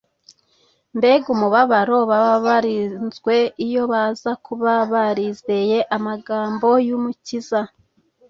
Mbega umubabaro baba bararinzwe iyo baza kuba barizeye amagambo y’Umukiza!